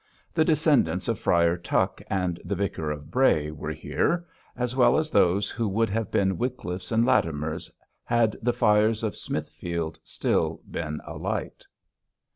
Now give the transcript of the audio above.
The descendants of Friar Tuck and the Vicar of Bray were here, as well as those who would have been Wycliffes and Latimers had the fires of Smithfield still been alight.